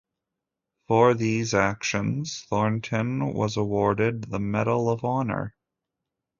For these actions, Thornton was awarded the Medal of Honor.